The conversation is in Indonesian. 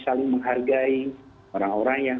saling menghargai orang orang yang